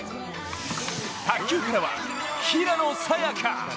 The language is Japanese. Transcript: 卓球からは、平野早矢香。